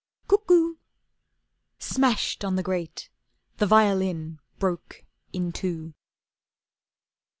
"Cuckoo!" Smashed on the grate, the violin broke in two.